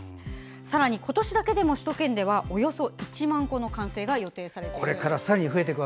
さらに今年だけでも、首都圏ではおよそ１万戸の完成が予定されています。